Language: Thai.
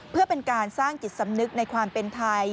เพื่อเป็นการสร้างจิตสำนึกในความเป็นไทย